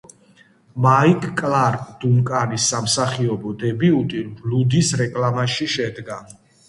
მაიკლ კლარკ დუნკანის სამსახიობო დებიუტი ლუდის რეკლამაში შედგა.